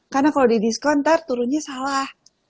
karena kalau di diskon ntar turunnya salah